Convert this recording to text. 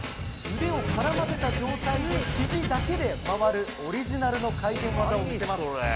腕を絡ませた状態でひじだけで回るオリジナルの回転技を見せます。